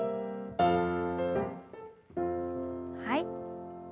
はい。